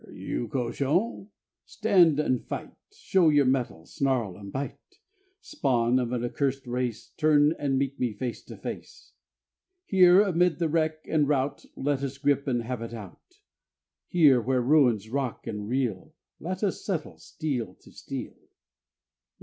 _ You 'cochon'! Stand and fight! Show your mettle! Snarl and bite! Spawn of an accursed race, Turn and meet me face to face! Here amid the wreck and rout Let us grip and have it out! Here where ruins rock and reel Let us settle, steel to steel!